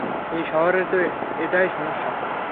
এই শহরের তো এটাই সমস্যা।